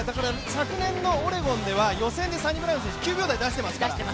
昨年のオレゴンでは予選でサニブラウン選手、９秒台出してますから。